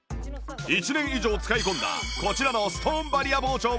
１年以上使い込んだこちらのストーンバリア包丁を使ってみると